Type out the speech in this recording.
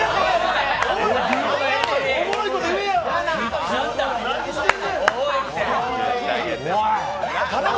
おもろいこと言うやん。